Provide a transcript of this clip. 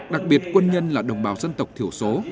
đặc biệt quân nhân là đồng bào dân tộc thiểu số